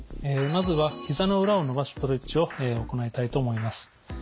まずはひざの裏を伸ばすストレッチを行いたいと思います。